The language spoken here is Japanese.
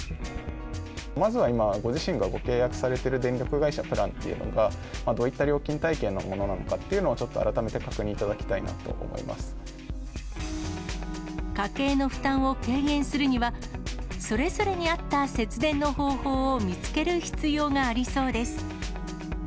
まずは今、ご自身がご契約されている電力会社のプランっていうのが、どういった料金体系のものなのかというのを、ちょっと改めて確認家計の負担を軽減するには、それぞれに合った節電の方法を見つける必要がありそうです。